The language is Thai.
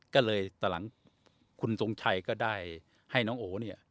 ก็เลยตอนหลังคุณทรงชัยก็ได้ให้น้องโอเนี่ย